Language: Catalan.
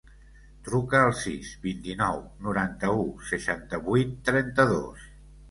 Truca al sis, vint-i-nou, noranta-u, seixanta-vuit, trenta-dos.